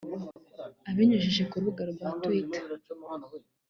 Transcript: Abinyujije ku rubuga rwa Twitter